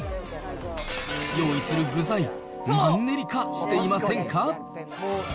用意する具材、マンネリ化していませんか。